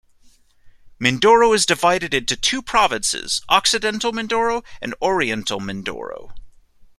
Mindoro is divided into two provinces Occidental Mindoro and Oriental Mindoro.